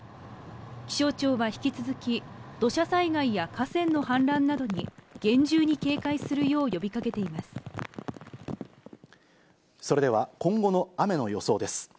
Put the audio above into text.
気象庁は引き続き土砂災害や河川の氾濫などに厳重に警戒するようそれでは、今後の雨の予想です。